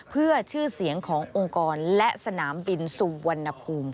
เพื่อชื่อเสียงขององค์กรและสนามบินสุวรรณภูมิ